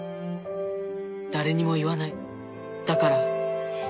誰にも言わないだから。